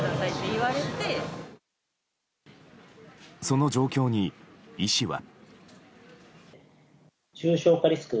その状況に医師は。